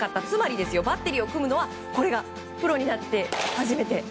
つまり、バッテリーを組むのはこれがプロになって初めて。